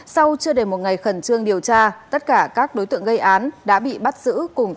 sau chưa đầy một ngày khẩn trương điều tra tất cả các đối tượng gây án đã bị bắt giữ cùng